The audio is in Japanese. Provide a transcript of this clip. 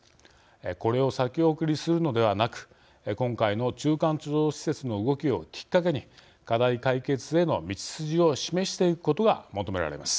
これを先送りするのではなく今回の中間貯蔵施設の動きをきっかけに課題解決への道筋を示していくことが求められます。